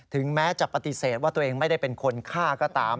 แม้จะปฏิเสธว่าตัวเองไม่ได้เป็นคนฆ่าก็ตาม